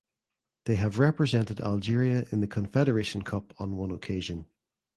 They have represented Algeria in the Confederation Cup on one occasion.